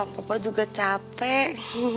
papa juga capek